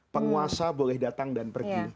penguasa boleh datang dan pergi